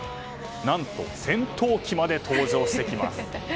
何と、戦闘機まで登場してきます。